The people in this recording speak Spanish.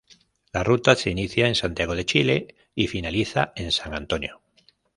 La Ruta se inicia en Santiago de Chile y finaliza en San Antonio.